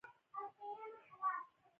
چیني پانګوال په اروپا کې ملکیتونه اخلي.